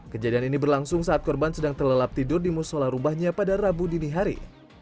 kejadian ini berlangsung saat korban sedang terlelap tidur di musola rubahnya pada rabu dini hari